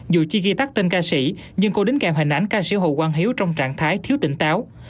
dù chưa ghi tắt tên ca sĩ nhưng cô đính kèm hình ảnh ca sĩ hồ quang hiếu trong trạng thái thiếu tỉnh táo